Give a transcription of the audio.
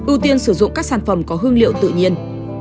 ưu tiên sử dụng các sản phẩm có hương liệu tự nhiên